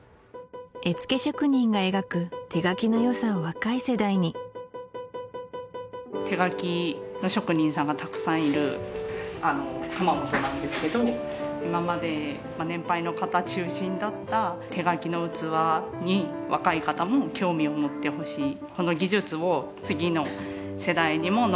絵付け職人が描く手書きの良さを若い世代に手書きの職人さんがたくさんいる窯元なんですけど今まで年配の方中心だった手書きの器に若い方も興味を持ってほしいと思っています